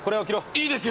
いいですよ